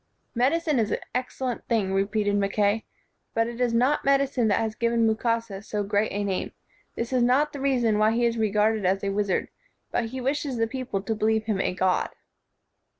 "Medicine is an excellent thing," repeated Mackay, "but it is not medicine that has given Mukasa so great a name. This is not the reason why he is regarded as a wizard, but he wishes the people to believe him a god."